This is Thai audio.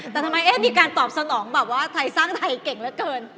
แต่ทำไมมีการตอบสนองแบบว่าไทยสร้างไทยเก่งเหลือเกิน